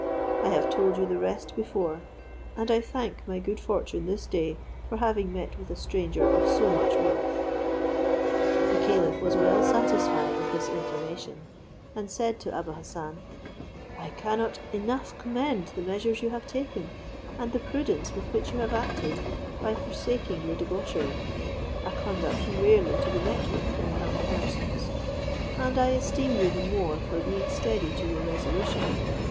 I have told you the rest before; and I thank my good fortune this day for having met with a stranger of so much worth." The caliph was well satisfied with this information, and said to Abou Hassan, "I cannot enough commend the measures you have taken, and the prudence with which you have acted, by forsaking your debauchery; a conduct rarely to be met with in young persons; and I esteem you the more for being steady to your resolution.